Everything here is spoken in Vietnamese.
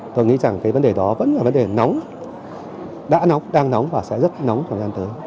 tôi nghĩ rằng cái vấn đề đó vẫn là vấn đề nóng đã nóng đang nóng và sẽ rất nóng trong gian tới